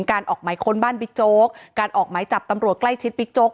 การออกหมายค้นบ้านบิ๊กโจ๊กการออกหมายจับตำรวจใกล้ชิดบิ๊กโจ๊ก